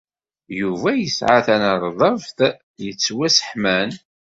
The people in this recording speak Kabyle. Yuba yesɛa tanerdabt yettwasseḥman.